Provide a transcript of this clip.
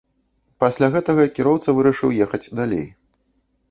Пасля гэтага кіроўца вырашыў ехаць далей.